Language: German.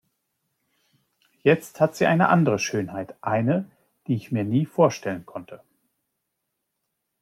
Jetzt hat sie eine andere Schönheit, eine, die ich mir nie vorstellen konnte.